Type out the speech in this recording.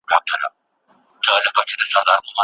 کله کله به هیلۍ ورته راتللې